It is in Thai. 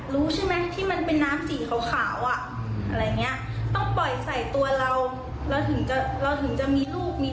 รู้ใช่ไหมที่มันเป็นน้ำสีขาวขาวอ่ะอะไรอย่างเงี้ย